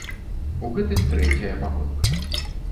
У гэтым трэцяя памылка.